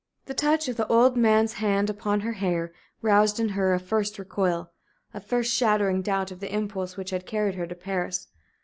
The touch of the old man's hand upon her hair roused in her a first recoil, a first shattering doubt of the impulse which had carried her to Paris.